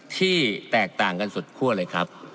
ที่แตกต่างกันสุดคั่วเลยครับ